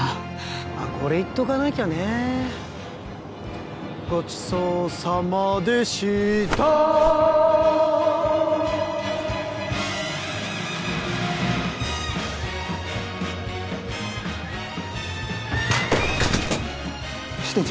あっこれ言っとかなきゃねごちそうさまでした支店長？